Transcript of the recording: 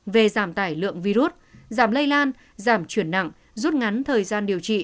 về giảm tải lượng virus giảm lây lan giảm chuyển nặng rút ngắn thời gian điều trị